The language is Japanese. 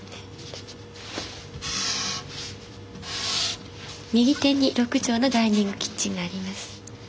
右手に６畳のダイニングキッチンがあります。